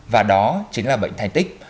và đó chính là bệnh thay tích